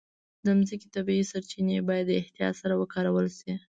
د مځکې طبیعي سرچینې باید احتیاط سره وکارول شي.